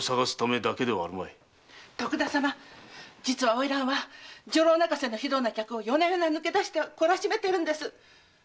花魁は女郎泣かせな非道な客を夜な夜な抜け出しては懲らしめているんです。